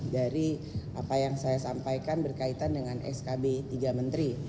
dari apa yang saya sampaikan berkaitan dengan skb tiga menteri